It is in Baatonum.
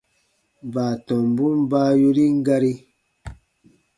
Baatɔmbun baa yorin gari.